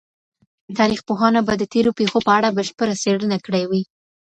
تاريخ پوهانو به د تېرو پېښو په اړه بشپړه څېړنه کړې وي.